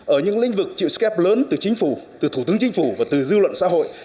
ở những lĩnh vực chịu skip lớn từ chính phủ từ thủ tướng chính phủ và từ dư luận xã hội